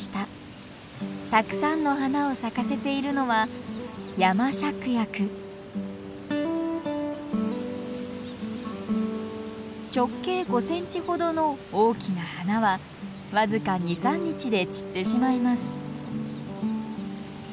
たくさんの花を咲かせているのは直径５センチほどの大きな花は僅か２３日で散ってしまいます。